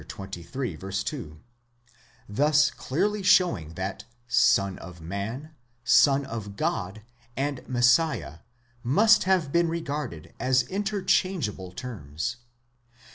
2), thus clearly showing that Son of man, Son of God, and Messiah, must have been regarded as interchangeable terms.